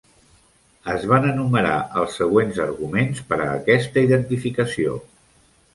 Es van enumerar els següents arguments per a aquesta identificació.